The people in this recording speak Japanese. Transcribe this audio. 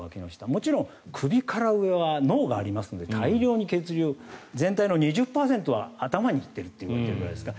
もちろん首から上は脳がありますので大量に血流全体の２０％は頭に行ってるというわけじゃないですか。